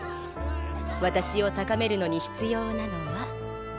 私を高めるのに必要なのは。